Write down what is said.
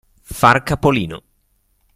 Far capolino.